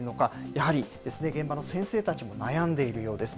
やはり現場の先生たちも悩んでいるようです。